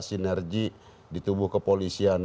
sinergi di tubuh kepolisian